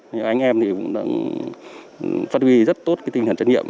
những anh em cũng đang phát huy rất tốt tinh thần trách nhiệm